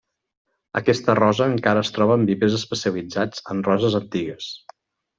Aquesta rosa encara es troba en vivers especialitzats en roses antigues.